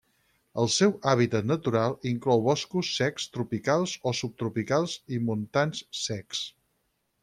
El seu hàbitat natural inclou boscos secs tropicals o subtropicals i montans secs.